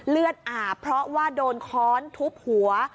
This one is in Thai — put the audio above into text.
เลือดอาบเพราะว่าโดนค้อนทุบหัว